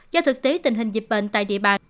do thực tế tình hình dịch bệnh tại địa bàn